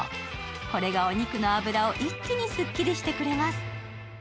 これがお肉の脂を一気にすっきりしてくれます。